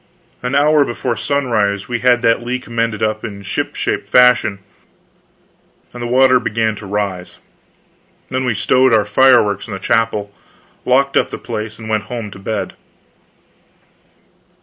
An hour before sunrise we had that leak mended in ship shape fashion, and the water began to rise. Then we stowed our fireworks in the chapel, locked up the place, and went home to bed.